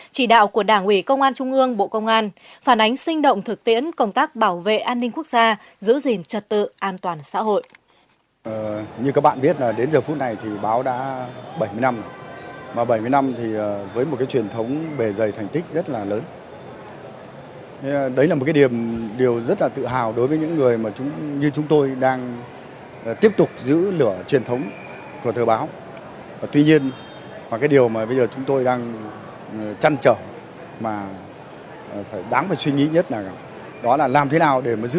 chỉ đạo của đảng ủy công an trung ương bộ công an phản ánh sinh động thực tiễn công tác bảo vệ an ninh quốc gia giữ gìn trật tự an toàn xã hội